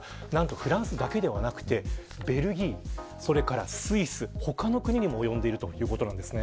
フランスだけではなくてベルギー、スイス、他の国にも及んでいるということです。